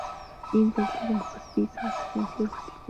Ийм зарлигийг мөхөс би сонсох үнэхээр хүсэлгүй байна.